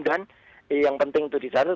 dan yang penting itu di sana